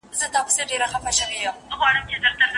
څېړونکی به د معلوماتو په تحلیل بوخت وي.